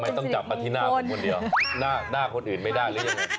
ต้องจับมาที่หน้าผมคนเดียวหน้าคนอื่นไม่ได้หรือยังไง